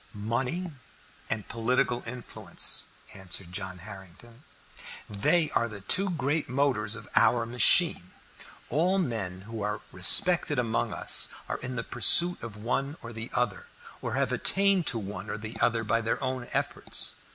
"Money and political influence," answered John Harrington. "They are the two great motors of our machine. All men who are respected among us are in pursuit of one or the other, or have attained to one or the other by their own efforts.